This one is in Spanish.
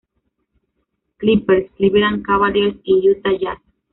Clippers, Cleveland Cavaliers y Utah Jazz.